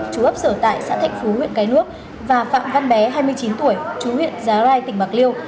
chú ấp sở tại xã thạnh phú huyện cái nước và phạm văn bé hai mươi chín tuổi chú huyện giá rai tỉnh bạc liêu